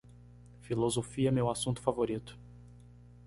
Filosofia é meu assunto favorito.